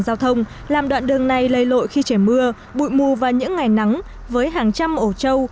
giao thông làm đoạn đường này lây lội khi trẻ mưa bụi mù và những ngày nắng với hàng trăm ổ trâu